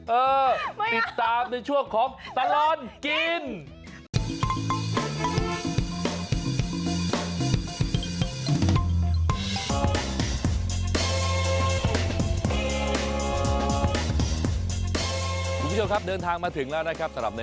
เออติดตามในช่วงของตลอดกิน